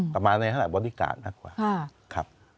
แต่มาในขณะบอดี้การ์ดหนักกว่า